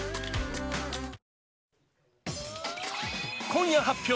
今夜発表！